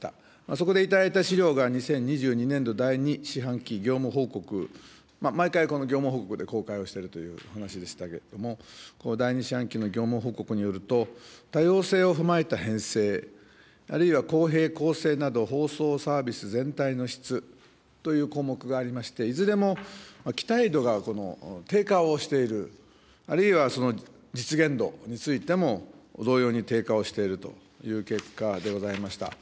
そこで頂いた資料が２０２２年度第２四半期業務報告、毎回この業務報告で公開をしているという話でしたけれども、第２四半期の業務報告によると、多様性を踏まえた編成、あるいは公平・公正など放送・サービス全体の質という項目がありまして、いずれも期待度が低下をしている、あるいは実現度についても、同様に低下をしているという結果でございました。